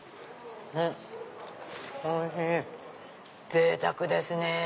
ぜいたくですね。